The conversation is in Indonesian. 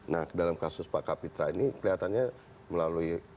nah dalam kasus pak kapitra ini kelihatannya melalui